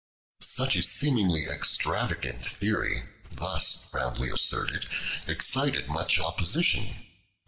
Such a seemingly extravagant theory, thus roundly asserted, excited much opposition.